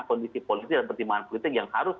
kondisi politik dan pertimbangan politik yang harus